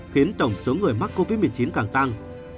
khiến tổng số người mắc covid một mươi chín càng tăng